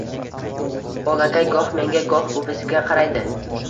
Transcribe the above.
Bolakay goh menga, goh buvisiga qaraydi